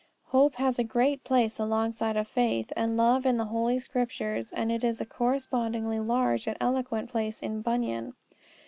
Hope has a great place alongside of faith and love in the Holy Scriptures, and it has a correspondingly large and eloquent place in Bunyan.